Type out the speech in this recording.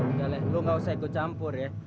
udah lah lo gak usah ikut campur ya